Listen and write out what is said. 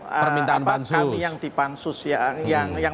kami yang di pansus yang